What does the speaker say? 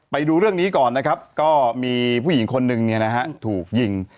ไปดูเรื่องนี้ก่อนนะครับก็มีผู้หญิงคนหนึ่งถูกยิง